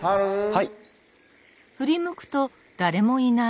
はい！